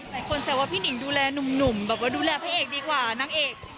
แซวว่าพี่หนิงดูแลหนุ่มแบบว่าดูแลพระเอกดีกว่านางเอก